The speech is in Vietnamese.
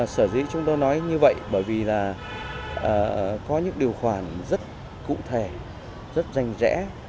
sở dĩ chúng tôi nói như vậy bởi vì là có những điều khoản rất cụ thể rất rành rẽ